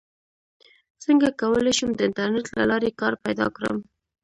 څنګه کولی شم د انټرنیټ له لارې کار پیدا کړم